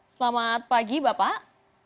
selamat pagi bapak